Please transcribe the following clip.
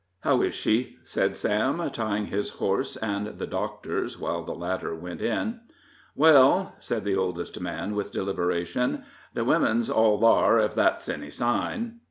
"How is she?" said Sam, tying his horse and the doctor's, while the latter went in. "Well," said the oldest man, with deliberation, "the wimmin's all thar ef that's any sign."